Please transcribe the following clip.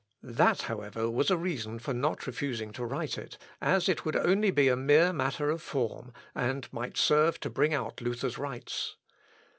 That however was a reason for not refusing to write it, as it would only be a mere matter of form, and might serve to bring out Luther's rights.